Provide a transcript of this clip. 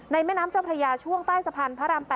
แม่น้ำเจ้าพระยาช่วงใต้สะพานพระราม๘